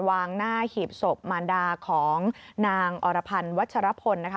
วางหน้าหีบศพมารดาของนางอรพันวัชฌาพนธ์